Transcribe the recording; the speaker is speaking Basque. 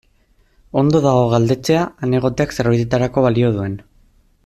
Ondo dago galdetzea han egoteak zerbaitetarako balio duen.